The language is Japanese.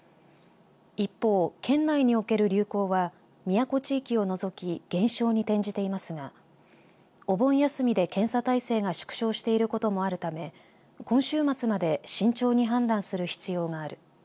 一方、県内における流行は宮古地域を除き減少に転じていますがお盆休みで検査体制が縮小していることもあるため今週末まで慎重に判断する必要がある。